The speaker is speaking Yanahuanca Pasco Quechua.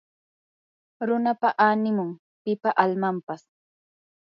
runapa animun; pipa almanpas